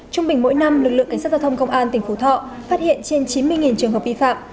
trung bình mỗi năm lực lượng cảnh sát giao thông công an tỉnh phú thọ phát hiện trên chín mươi trường hợp vi phạm